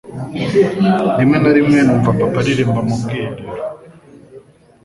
Rimwe na rimwe numva papa aririmba mu bwiherero